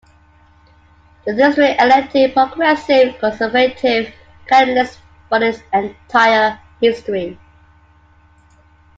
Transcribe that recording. The district elected Progressive Conservative candidates for its entire history.